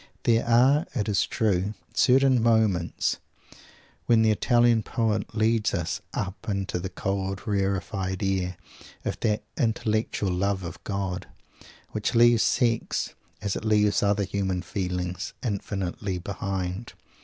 There are, it is true, certain moments when the Italian poet leads us up into the cold rarified air of that "Intellectual Love of God" which leaves sex, as it leaves other human feelings, infinitely behind.